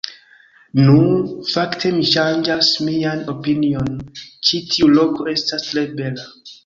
Nu, fakte mi ŝanĝas mian opinion ĉi tiu loko estas tre bela